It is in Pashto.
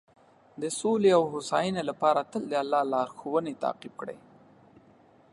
د سولې او هوساینې لپاره تل د الله لارښوونې تعقیب کړئ.